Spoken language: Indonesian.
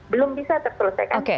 belum bisa terselesaikan